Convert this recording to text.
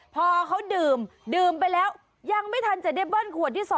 พอเขาดื่มดื่มไปแล้วยังไม่ทันจะได้เบิ้ลขวดที่๒